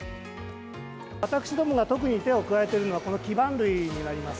私どもが特に手を加えているのが、この基板類になります。